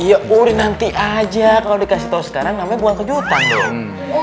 iya udah nanti aja kalo dikasih tau sekarang namanya buang kejutan dong